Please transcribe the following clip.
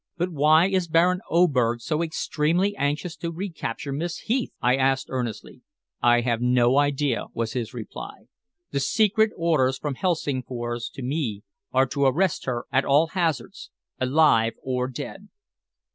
"But why is Baron Oberg so extremely anxious to recapture Miss Heath?" I asked earnestly. "I have no idea," was his reply. "The secret orders from Helsingfors to me are to arrest her at all hazards alive or dead."